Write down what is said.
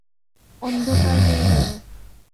অন্ধকার হয়ে এল।